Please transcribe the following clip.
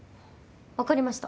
わかりました。